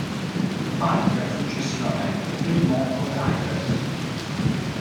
Parker successivamente firmò coi Raiders.